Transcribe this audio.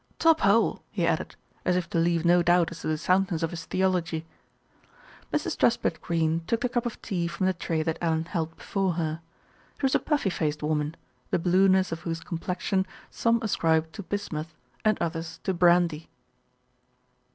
"Tophole!" he added, LITTLE BILSTEAD SITS IN JUDGMENT 113 as if to leave no doubt as to the soundness of his theology. Mrs. Truspitt Greene took the cup of tea from the tray that Ellen held before her. She was a puffy faced woman, the blueness of whose complexion some ascribed to bismuth and others to brandy.